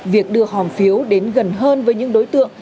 việc đưa hòm phiếu đến gần hơn với những đối tượng